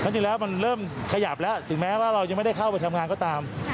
จริงแล้วมันเริ่มขยับแล้วถึงแม้ว่าเรายังไม่ได้เข้าไปทำงานก็ตาม